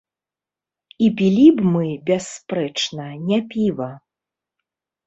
І пілі б мы, бясспрэчна, не піва.